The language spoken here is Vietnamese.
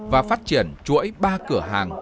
và phát triển chuỗi ba cửa hàng